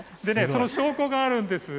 その証拠があるんです。